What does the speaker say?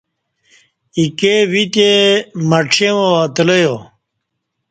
ایکے ویتے مڄیں وا اتلہ یا